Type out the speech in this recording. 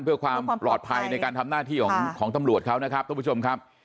เพื่อความปลอดภัยในการทำหน้าที่ของตำรวจเขานะครับทุกผู้ชมครับ